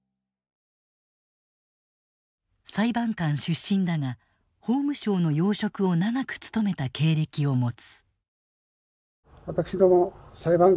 裁判官出身だが法務省の要職を長く務めた経歴を持つ。